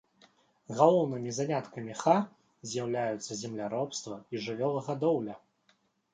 Галоўнымі заняткамі ха з'яўляюцца земляробства і жывёлагадоўля.